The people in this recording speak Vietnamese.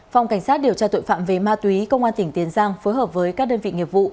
phòng cảnh sát điều tra tội phạm về ma túy công an tỉnh tiền giang phối hợp với các đơn vị nghiệp vụ